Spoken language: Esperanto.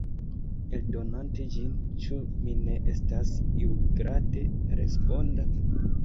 Eldonante ĝin, ĉu mi ne estas iugrade responda?